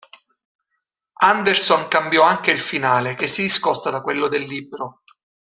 Anderson cambiò anche il finale, che si discosta da quello del libro.